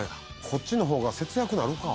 こっちの方が節約なるか。